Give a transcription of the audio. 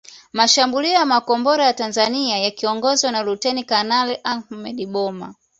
Mashambulio ya makombora ya Tanzania yakiongozwa na Luteni Kanali Ahmed Boma